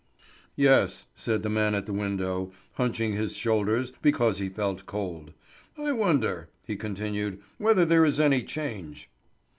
"Yes," said the man at the window, hunching his shoulders because he felt cold. "I wonder," he continued, "whether there is any change."